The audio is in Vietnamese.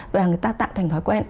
và người ta tạo thành thói quen